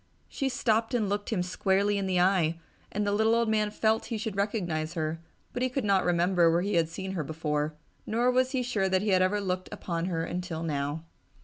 She stopped and looked him squarely in the eye and the little old man felt he should recognize her, but he could not remember where he had seen her before, nor was he sure that he had ever looked upon her until now.